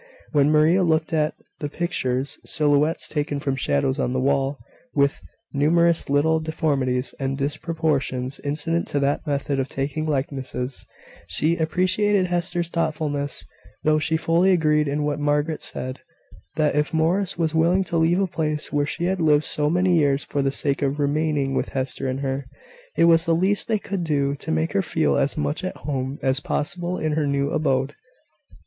When Maria looked at "the pictures" silhouettes taken from shadows on the wall, with numerous little deformities and disproportions incident to that method of taking likenesses she appreciated Hester's thoughtfulness; though she fully agreed in what Margaret said, that if Morris was willing to leave a place where she had lived so many years, for the sake of remaining with Hester and her, it was the least they could do to make her feel as much at home as possible in her new abode.